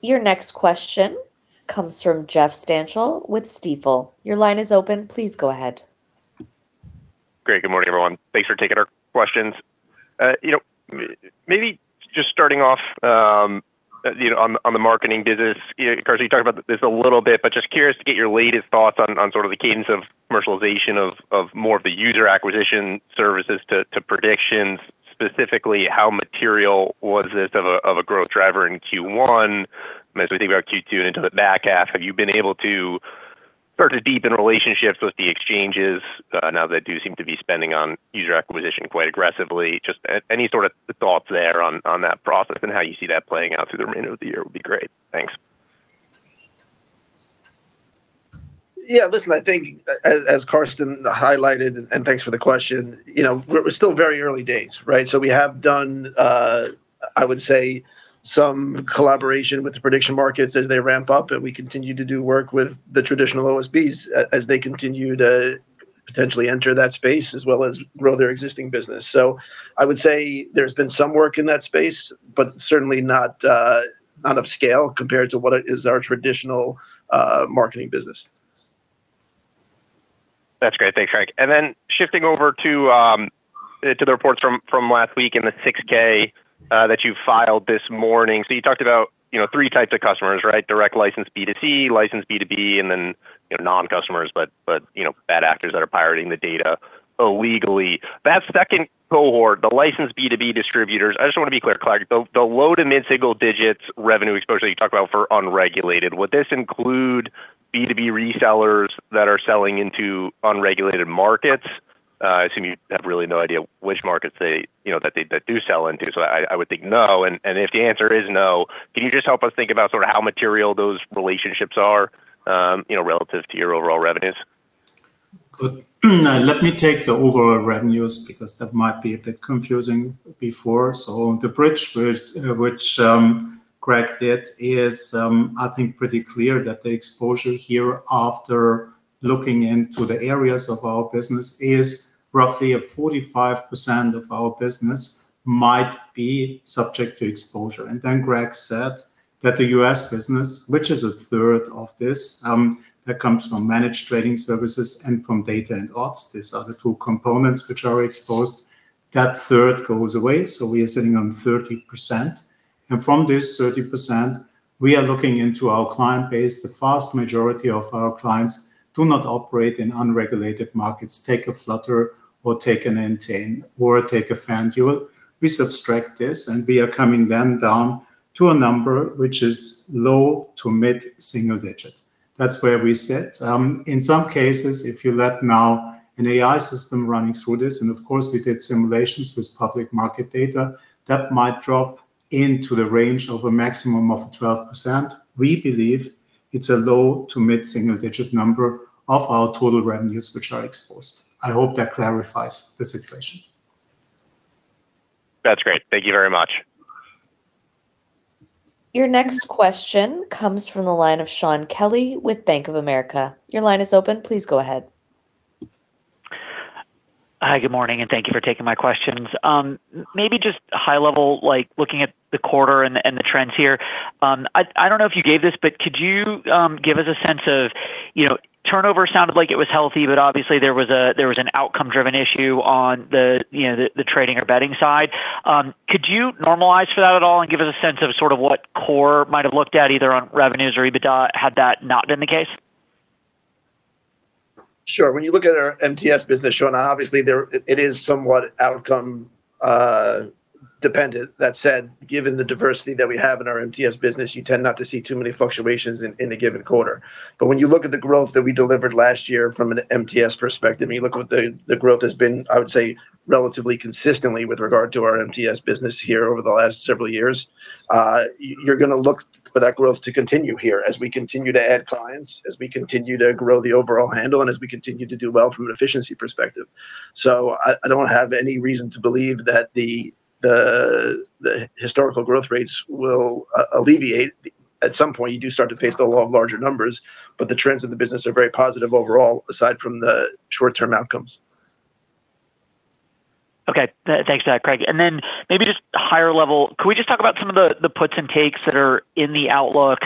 Your next question comes from Jeff Stantial with Stifel. Your line is open. Please go ahead. Great. Good morning, everyone. Thanks for taking our questions. You know, maybe just starting off, you know, on the marketing business. You know, Carsten, you talked about this a little bit, but just curious to get your latest thoughts on sort of the cadence of commercialization of more of the user acquisition services to predictions. Specifically, how material was this of a growth driver in Q1? As we think about Q2 and into the back half, have you been able to further deepen relationships with the exchanges, now that they do seem to be spending on user acquisition quite aggressively? Just any sort of thoughts there on that process and how you see that playing out through the remainder of the year would be great. Thanks. Yeah. Listen, I think as Carsten highlighted, and thanks for the question, you know, we're still very early days, right? We have done, I would say, some collaboration with the prediction markets as they ramp-up, and we continue to do work with the traditional OSBs as they continue to potentially enter that space as well as grow their existing business. I would say there's been some work in that space, but certainly not of scale compared to what is our traditional, marketing business. That's great. Thanks, Craig. Shifting over to the reports from last week in the 6-K that you filed this morning. You talked about, you know, three types of customers, right? Direct license B2C, license B2B, non-customers but, you know, bad actors that are pirating the data illegally. That second cohort, the licensed B2B distributors, I just wanna be clear, like the low- to mid-single digits revenue exposure you talked about for unregulated, would this include B2B resellers that are selling into unregulated markets? I assume you have really no idea which markets they, you know, that do sell into, I would think no. If the answer is no, can you just help us think about sort of how material those relationships are, you know, relative to your overall revenues? Good. Let me take the overall revenues because that might be a bit confusing before. The bridge which Craig did is I think pretty clear that the exposure here after looking into the areas of our business is roughly at 45% of our business might be subject to exposure. Craig said that the U.S. business, which is 1/3 of this, that comes from Managed Trading Services and from data and odds, these are the two components which are exposed, that 1/3 goes away, so we are sitting on 30%. From this 30%, we are looking into our client base. The vast majority of our clients do not operate in unregulated markets, take a Flutter or take an Entain or take a FanDuel. We subtract this, and we are coming then down to a number which is low-to mid-single-digit. That's where we sit. In some cases, if you let now an AI system running through this, and of course we did simulations with public market data, that might drop into the range of a maximum of 12%. We believe it's a low-to mid-single-digit number of our total revenues which are exposed. I hope that clarifies the situation. That is great. Thank you very much. Your next question comes from the line of Shaun Kelley with Bank of America. Your line is open. Please go ahead. Hi, good morning, and thank you for taking my questions. maybe just high level, like looking at the quarter and the trends here. I don't know if you gave this, but could you give us a sense of, you know, turnover sounded like it was healthy, but obviously there was an outcome driven issue on the, you know, the trading or betting side. Could you normalize for that at all and give us a sense of sort of what core might have looked at either on revenues or EBITDA had that not been the case? Sure. When you look at our MTS business, Shaun, obviously there, it is somewhat outcome dependent. That said, given the diversity that we have in our MTS business, you tend not to see too many fluctuations in a given quarter. When you look at the growth that we delivered last year from an MTS perspective and you look at what the growth has been, I would say, relatively consistently with regard to our MTS business here over the last several years, you're gonna look for that growth to continue here as we continue to add clients, as we continue to grow the overall handle, and as we continue to do well from an efficiency perspective. I don't have any reason to believe that the historical growth rates will alleviate. At some point, you do start to face the law of larger numbers, but the trends in the business are very positive overall, aside from the short-term outcomes. Okay. Thanks for that, Craig. Then maybe just higher level, could we just talk about some of the puts and takes that are in the outlook,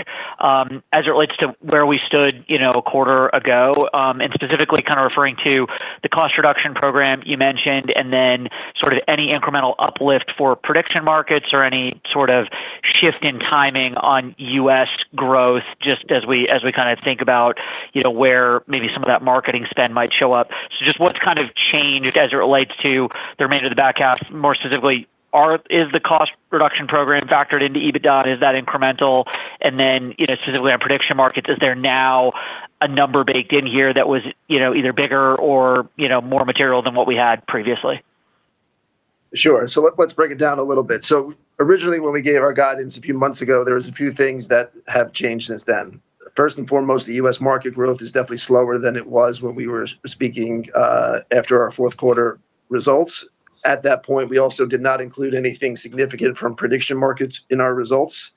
as it relates to where we stood, you know, a quarter ago? Specifically kind of referring to the cost reduction program you mentioned, and then sort of any incremental uplift for prediction markets or any sort of shift in timing on U.S. growth, just as we kind of think about, you know, where maybe some of that marketing spend might show up. Just what's kind of changed as it relates to the remainder of the back half? More specifically, is the cost reduction program factored into EBITDA? Is that incremental? Then, you know, specifically on prediction markets, is there now a number baked in here that was, you know, either bigger or, you know, more material than what we had previously? Sure. Let's break it down a little bit. Originally, when we gave our guidance a few months ago, there was a few things that have changed since then. First and foremost, the U.S. market growth is definitely slower than it was when we were speaking after our fourth quarter results. At that point, we also did not include anything significant from prediction markets in our results,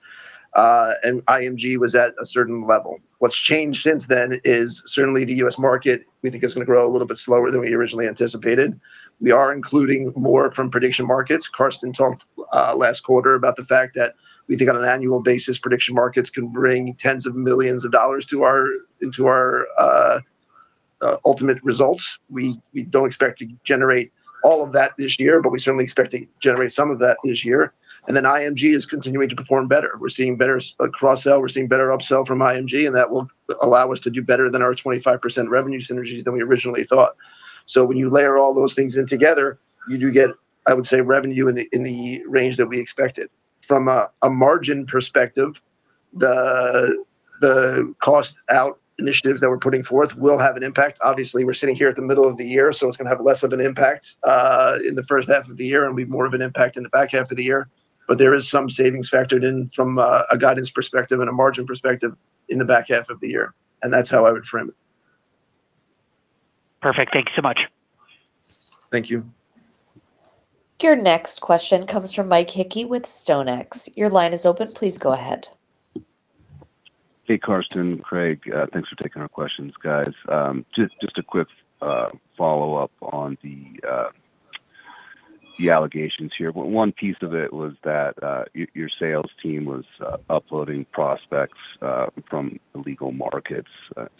and IMG was at a certain level. What's changed since then is certainly the U.S. market, we think is gonna grow a little bit slower than we originally anticipated. We are including more from prediction markets. Carsten talked last quarter about the fact that we think on an annual basis, prediction markets can bring tens of millions of dollars into our ultimate results. We don't expect to generate all of that this year, but we certainly expect to generate some of that this year. IMG is continuing to perform better. We're seeing better cross-sell, we're seeing better up-sell from IMG, and that will allow us to do better than our 25% revenue synergies than we originally thought. When you layer all those things in together, you do get, I would say, revenue in the, in the range that we expected. From a margin perspective, the cost out initiatives that we're putting forth will have an impact. Obviously, we're sitting here at the middle of the year, so it's gonna have less of an impact in the first half of the year and be more of an impact in the back half of the year. There is some savings factored in from a guidance perspective and a margin perspective in the back half of the year, and that's how I would frame it. Perfect. Thank you so much. Thank you. Your next question comes from Mike Hickey with StoneX. Your line is open. Please go ahead. Hey, Carsten, Craig. Thanks for taking our questions, guys. Just a quick follow-up on the allegations here. One piece of it was that your sales team was uploading prospects from illegal markets,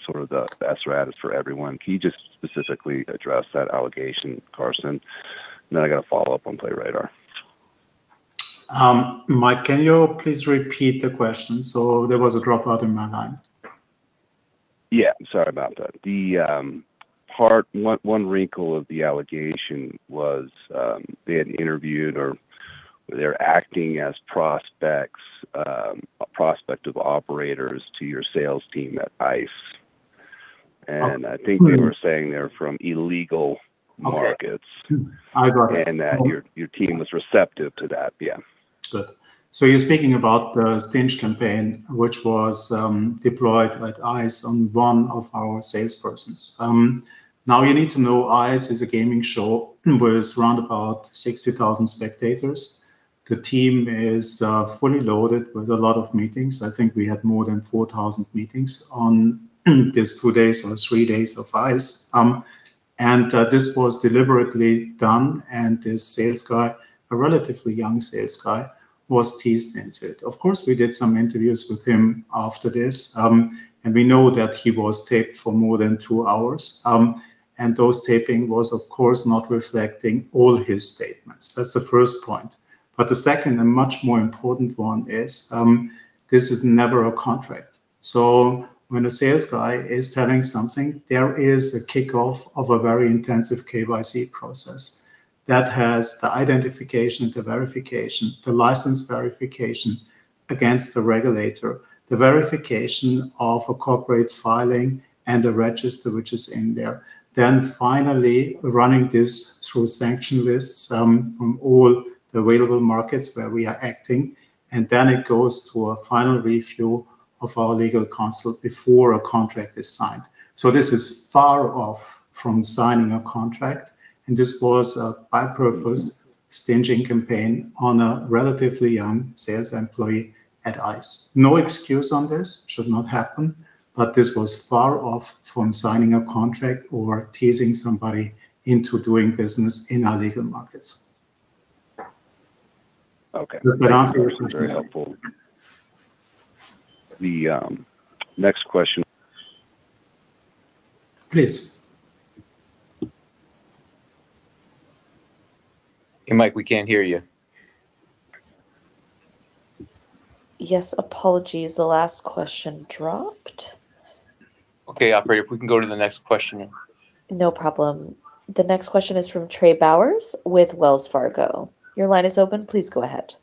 sort of the best route is for everyone. Can you just specifically address that allegation, Carsten? Then I got a follow-up on PlayRadar. Mike, can you please repeat the question? There was a dropout in my line. Yeah, sorry about that. The part one wrinkle of the allegation was, they had interviewed or they're acting as prospects, a prospect of operators to your sales team at ICE. I think they were saying they're from illegal markets. Okay. I got it. That your team was receptive to that. Yeah. Good. You're speaking about the sting campaign, which was deployed at ICE on one of our salespersons. Now you need to know ICE is a gaming show with round about 60,000 spectators. The team is fully loaded with a lot of meetings. I think we had more than 4,000 meetings on this two days or three days of ICE. This was deliberately done, and the sales guy, a relatively young sales guy, was teased into it. Of course, we did some interviews with him after this, and we know that he was taped for more than two hours. Those taping was, of course, not reflecting all his statements. That's the first point. The second and much more important one is, this is never a contract. When a sales guy is telling something, there is a kickoff of a very intensive KYC process that has the identification, the verification, the license verification against the regulator, the verification of a corporate filing and the register which is in there. Finally, running this through sanction lists from all the available markets where we are acting, and it goes to a final review of our legal counsel before a contract is signed. This is far off from signing a contract, and this was a by-purpose stinging campaign on a relatively young sales employee at ICE. No excuse on this. Should not happen. This was far off from signing a contract or teasing somebody into doing business in illegal markets. Okay. Thank you. That was very helpful. The next question. Please. Hey, Mike, we can't hear you. Yes, apologies. The last question dropped. Okay, operator, if we can go to the next question. No problem. The next question is from Trey Bowers with Wells Fargo. Your line is open. Please go ahead.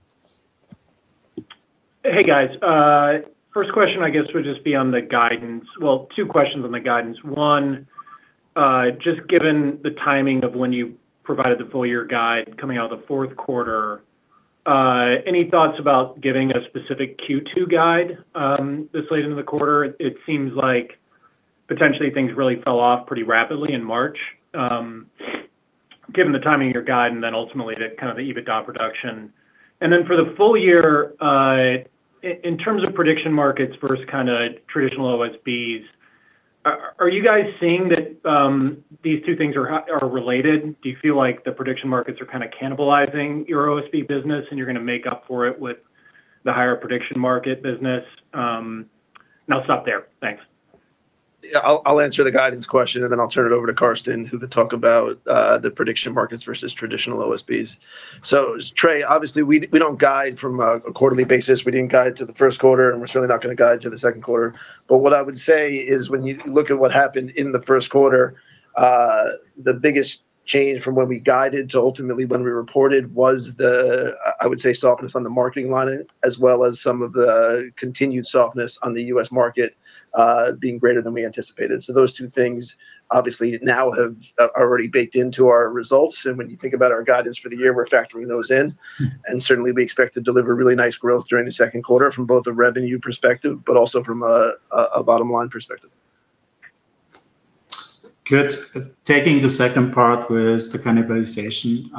Hey, guys. First question I guess would just be on the guidance. Well, two questions on the guidance. One, just given the timing of when you provided the full-year guide coming out of the fourth quarter, any thoughts about giving a specific Q2 guide this late into the quarter? It seems like potentially things really fell off pretty rapidly in March, given the timing of your guide and then ultimately the kind of the EBITDA production. For the full-year, in terms of prediction markets versus kind of traditional OSBs, are you guys seeing that these two things are related? Do you feel like the prediction markets are kind of cannibalizing your OSB business and you're gonna make up for it with the higher prediction market business? I'll stop there. Thanks I'll answer the guidance question and then I'll turn it over to Carsten who can talk about the prediction markets versus traditional OSBs. Trey, obviously we don't guide from a quarterly basis. We didn't guide to the first quarter, and we're certainly not gonna guide to the second quarter. What I would say is when you look at what happened in the first quarter, the biggest change from when we guided to ultimately when we reported was the, I would say, softness on the marketing line, as well as some of the continued softness on the U.S. market, being greater than we anticipated. Those two things obviously now are already baked into our results, and when you think about our guidance for the year, we're factoring those in. Certainly we expect to deliver really nice growth during the second quarter from both a revenue perspective, but also from a bottom line perspective. Good. Taking the second part with the cannibalization.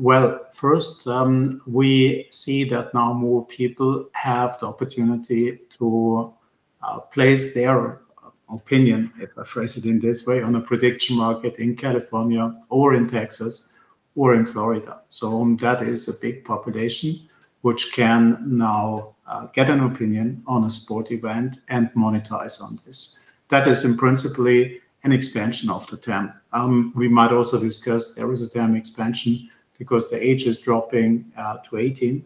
Well, first, we see that now more people have the opportunity to place their opinion, if I phrase it in this way, on a prediction market in California or in Texas or in Florida. That is a big population which can now get an opinion on a sport event and monetize on this. That is principally an expansion of the TAM. We might also discuss there is a TAM expansion because the age is dropping to 18.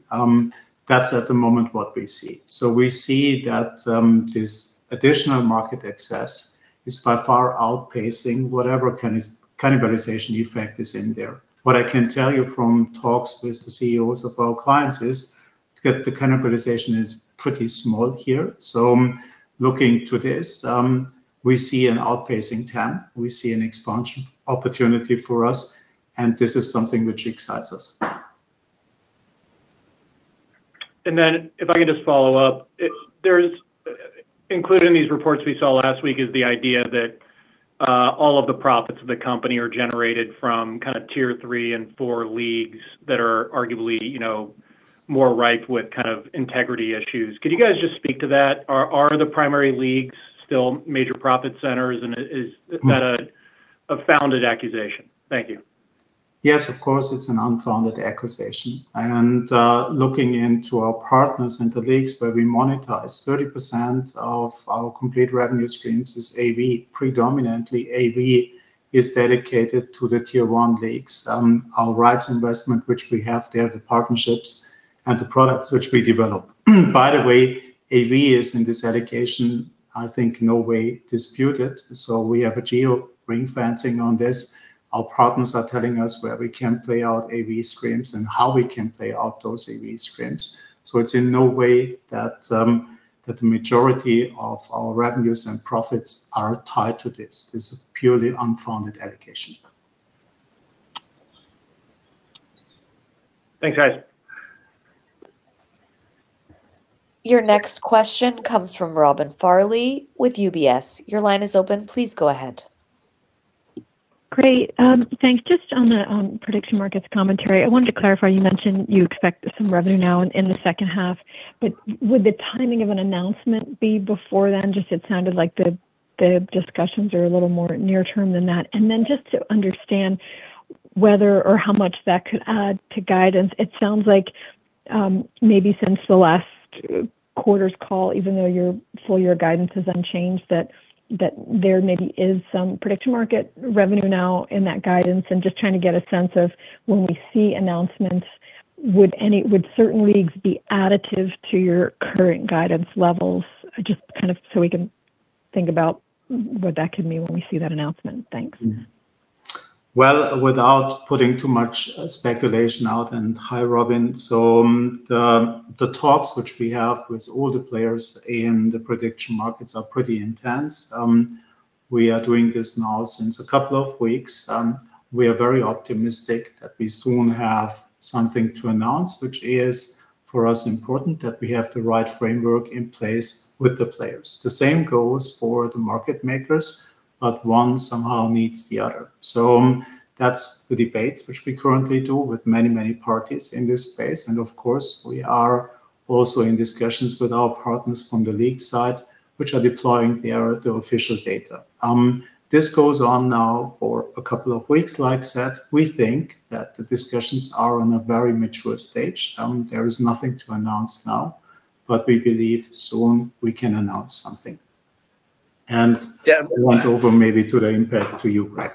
That's at the moment what we see. We see that this additional market access is by far outpacing whatever cannibalization effect is in there. What I can tell you from talks with the CEOs of our clients is that the cannibalization is pretty small here. Looking to this, we see an outpacing TAM, we see an expansion opportunity for us, and this is something which excites us. If I could just follow-up. Included in these reports we saw last week is the idea that all of the profits of the company are generated from kind of Tier 3 and 4 leagues that are arguably, you know, more rife with kind of integrity issues. Could you guys just speak to that? Are the primary leagues still major profit centers and is that a founded accusation? Thank you Yes, of course, it's an unfounded accusation. Looking into our partners in the leagues where we monetize, 30% of our complete revenue streams is AV. Predominantly AV is dedicated to the tier one leagues. Our rights investment which we have there, the partnerships and the products which we develop. By the way, AV is, in this allocation, I think in no way disputed, so we have a geo ring-fencing on this. Our partners are telling us where we can play out AV streams and how we can play out those AV streams. It's in no way that the majority of our revenues and profits are tied to this. This is a purely unfounded allegation. Thanks, guys. Your next question comes from Robin Farley with UBS. Your line is open. Please go ahead. Great. Thanks. Just on prediction markets commentary, I wanted to clarify, you mentioned you expect some revenue now in the second half, but would the timing of an announcement be before then? Just it sounded like the discussions are a little more near-term than that. Then just to understand whether or how much that could add to guidance. It sounds like, maybe since the last quarter's call, even though your full-year guidance is unchanged, that there maybe is some prediction market revenue now in that guidance. Just trying to get a sense of when we see announcements, would certain leagues be additive to your current guidance levels? Just kind of so we can think about what that could mean when we see that announcement. Thanks Well, without putting too much speculation out, and hi, Robin. The talks which we have with all the players in the prediction markets are pretty intense. We are doing this now since a couple of weeks. We are very optimistic that we soon have something to announce, which is for us important that we have the right framework in place with the players. The same goes for the market makers, one somehow needs the other. That's the debates which we currently do with many parties in this space. Of course, we are also in discussions with our partners from the league side, which are deploying the official data. This goes on now for a couple of weeks, like I said. We think that the discussions are on a very mature stage. There is nothing to announce now, but we believe soon we can announce something. Yeah. I went over maybe to the impact to you, Craig.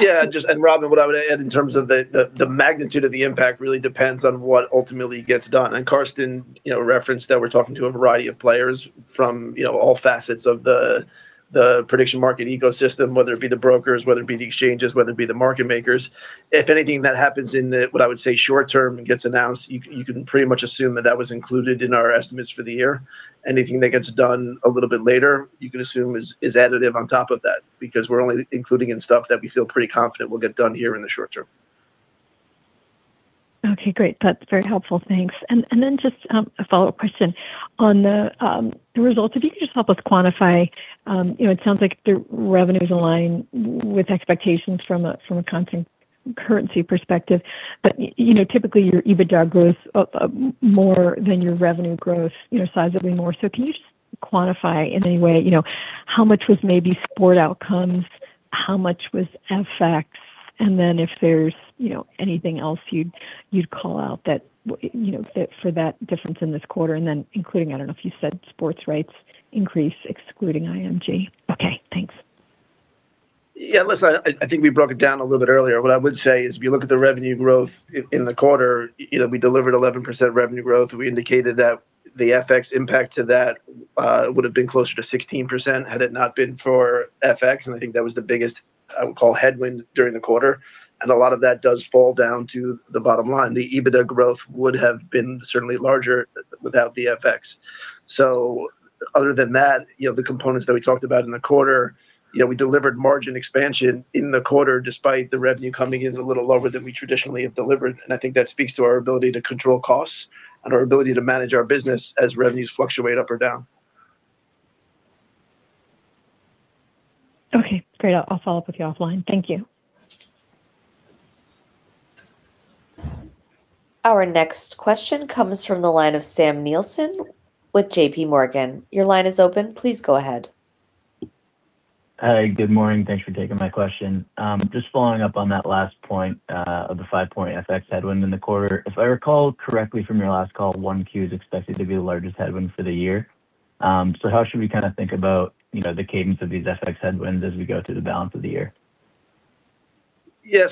Yeah, Robin Farley, what I would add in terms of the magnitude of the impact really depends on what ultimately gets done. Carsten, you know, referenced that we're talking to a variety of players from, you know, all facets of the prediction market ecosystem, whether it be the brokers, whether it be the exchanges, whether it be the market makers. If anything that happens in the, what I would say short-term, gets announced, you can pretty much assume that that was included in our estimates for the year. Anything that gets done a little bit later, you can assume is additive on top of that because we're only including in stuff that we feel pretty confident will get done here in the short-term. Okay, great. That's very helpful. Thanks. Then just a follow-up question on the results. If you could just help us quantify, you know, it sounds like the revenue's aligned with expectations from a, from a content currency perspective, but, you know, typically your EBITDA grows more than your revenue growth, you know, sizably more. Can you just quantify in any way, you know, how much was maybe sport outcomes, how much was FX, and then if there's, you know, anything else you'd call out that you know, for that difference in this quarter, and then including, I don't know if you said sports rights increase excluding IMG. Okay, thanks. Yeah, listen, I think we broke it down a little bit earlier. What I would say is if you look at the revenue growth in the quarter, you know, we delivered 11% revenue growth. We indicated that the FX impact to that would've been closer to 16% had it not been for FX, I think that was the biggest, I would call, headwind during the quarter. A lot of that does fall down to the bottom-line. The EBITDA growth would have been certainly larger without the FX. Other than that, you know, the components that we talked about in the quarter, you know, we delivered margin expansion in the quarter despite the revenue coming in a little lower than we traditionally have delivered, and I think that speaks to our ability to control costs and our ability to manage our business as revenues fluctuate up or down. Okay, great. I will follow-up with you offline. Thank you. Our next question comes from the line of Samuel Nielsen with JPMorgan. Your line is open. Please go ahead. Hi, good morning. Thanks for taking my question. just following up on that last point of the five-point FX headwind in the quarter. If I recall correctly from your last call, one Q is expected to be the largest headwind for the year. how should we kind of think about, you know, the cadence of these FX headwinds as we go through the balance of the year?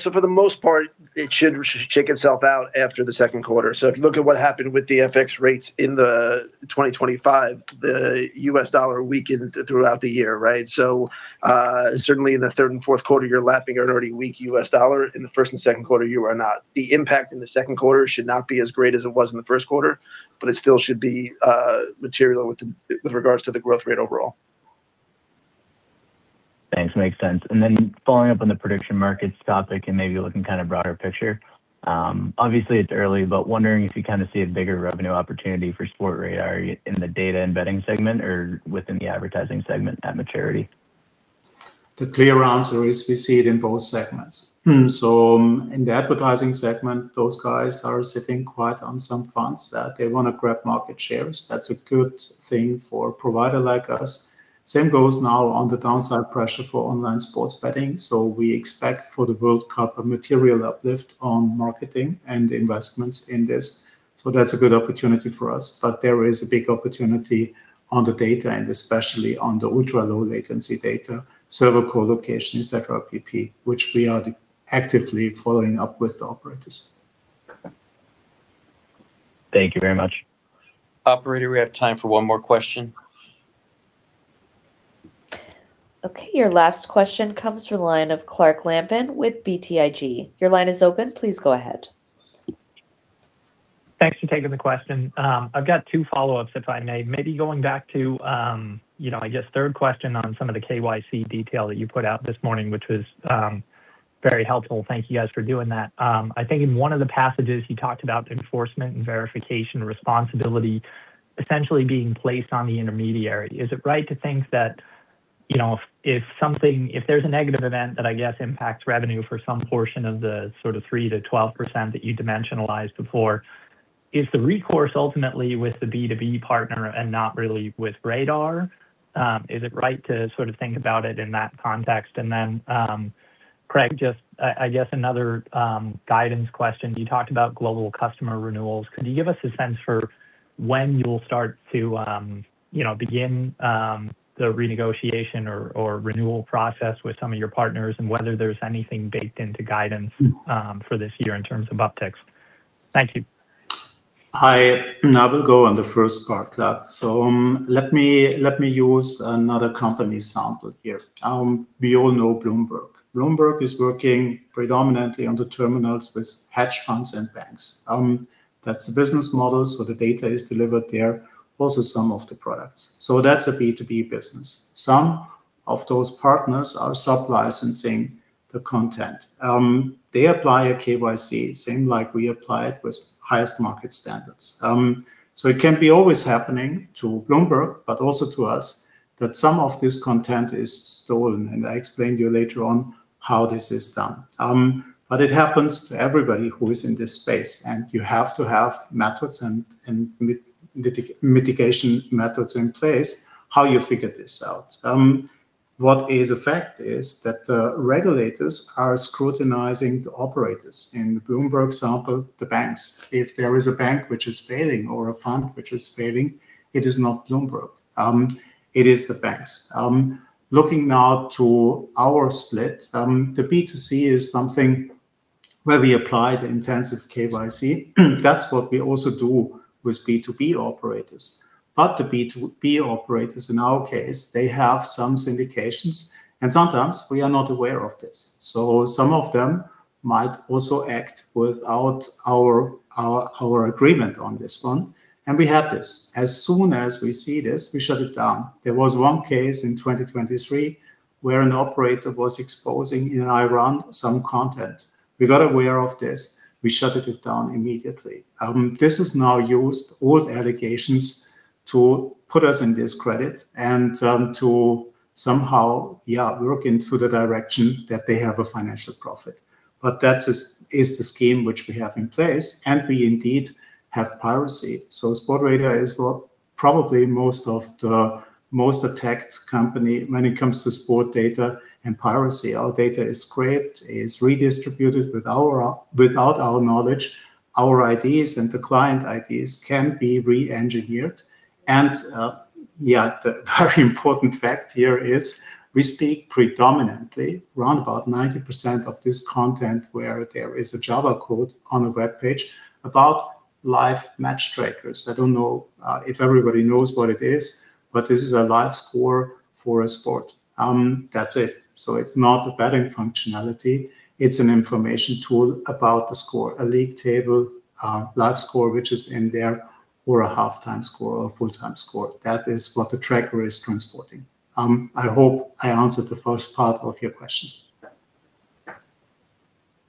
For the most part, it should shake itself out after the second quarter. If you look at what happened with the FX rates in 2025, the U.S. dollar weakened throughout the year. Certainly in the third and fourth quarter, you're lapping an already weak U.S. dollar. In the first and second quarter, you are not. The impact in the second quarter should not be as great as it was in the first quarter, but it still should be material with regards to the growth rate overall. Thanks. Makes sense. Following up on the prediction markets topic and maybe looking kind of broader picture, obviously it's early, but wondering if you kind of see a bigger revenue opportunity for Sportradar in the data and betting segment or within the advertising segment at maturity. The clear answer is we see it in both segments. In the advertising segment, those guys are sitting quite on some funds that they wanna grab market shares. That's a good thing for a provider like us. Same goes now on the downside pressure for online sports betting. We expect for the World Cup a material uplift on marketing and investments in this. That's a good opportunity for us. There is a big opportunity on the data and especially on the ultra-low latency data, server co-location, et cetera, PP, which we are actively following up with the operators. Okay. Thank you very much. Operator, we have time for one more question. Okay. Your last question comes from the line of Clark Lampen with BTIG. Your line is open. Please go ahead. Thanks for taking the question. I've got two follow-ups, if I may. Maybe going back to, you know, I guess third question on some of the KYC detail that you put out this morning, which was very helpful. Thank you guys for doing that. I think in one of the passages you talked about enforcement and verification responsibility essentially being placed on the intermediary. Is it right to think that, you know, if there's a negative event that I guess impacts revenue for some portion of the 3%-12% that you dimensionalized before, is the recourse ultimately with the B2B partner and not really with Radar? Is it right to sort of think about it in that context? Craig, just I guess another guidance question. You talked about global customer renewals. Could you give us a sense for when you'll start to, you know, begin the renegotiation or renewal process with some of your partners and whether there's anything baked into guidance for this year in terms of upticks? Thank you. I will go on the first part, Clark. Let me use another company sample here. We all know Bloomberg. Bloomberg is working predominantly on the terminals with hedge funds and banks. That's the business model, the data is delivered there, also some of the products. That's a B2B business. Some of those partners are sub-licensing the content. They apply a KYC, same like we apply it with highest market standards. It can be always happening to Bloomberg, but also to us, that some of this content is stolen. I explain to you later on how this is done. It happens to everybody who is in this space, and you have to have methods and mitigation methods in place how you figure this out. What is a fact is that the regulators are scrutinizing the operators. In the Bloomberg sample, the banks. If there is a bank which is failing or a fund which is failing, it is not Bloomberg, it is the banks. Looking now to our split, the B2C is something where we apply the intensive KYC. That's what we also do with B2B operators. The B2B operators, in our case, they have some syndications, and sometimes we are not aware of this. Some of them might also act without our agreement on this one, and we have this. As soon as we see this, we shut it down. There was one case in 2023 where an operator was exposing in Iran some content. We got aware of this, we shutted it down immediately. This is now used, old allegations, to put us in discredit and to somehow work into the direction that they have a financial profit. That is the scheme which we have in place, and we indeed have piracy. Sportradar is what probably most of the most attacked company when it comes to sport data and piracy. Our data is scraped, is redistributed without our knowledge. Our IDs and the client IDs can be re-engineered. The very important fact here is we speak predominantly, round about 90% of this content where there is a Java code on a webpage, about live match trackers. I don't know if everybody knows what it is, but this is a live score for a sport. That's it. It's not a betting functionality, it's an information tool about the score. A league table, live score which is in there, or a half time score or a full time score. That is what the tracker is transporting. I hope I answered the first part of your question.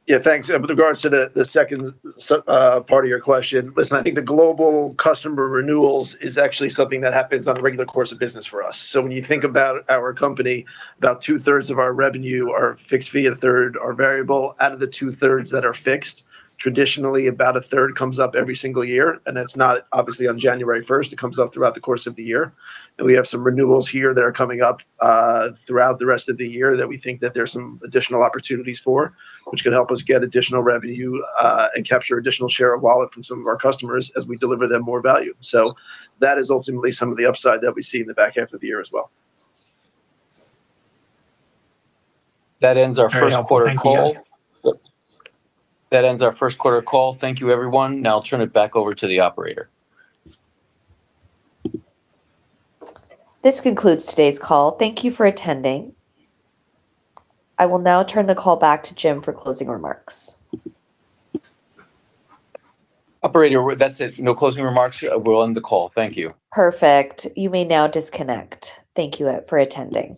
Yeah, thanks. With regards to the second part of your question, listen, I think the global customer renewals is actually something that happens on a regular course of business for us. When you think about our company, about 2/3 of our revenue are fixed fee and 1/3 are variable. Out of the 2/3 that are fixed, traditionally about 1/3 comes up every single year, and that's not obviously on January 1st, it comes up throughout the course of the year. We have some renewals here that are coming up throughout the rest of the year that we think that there's some additional opportunities for, which could help us get additional revenue and capture additional share of wallet from some of our customers as we deliver them more value. That is ultimately some of the upside that we see in the back half of the year as well. That ends our first quarter call. Very helpful. Thank you, guys. That ends our first quarter call. Thank you, everyone. Now I'll turn it back over to the Operator. This concludes today's call. Thank you for attending. I will now turn the call back to Jim for closing remarks. Operator, that's it. No closing remarks. We'll end the call. Thank you. Perfect. You may now disconnect. Thank you for attending.